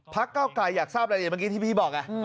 พักเก้าไก่อยากทราบรายละเอียดบางทีที่พี่บอก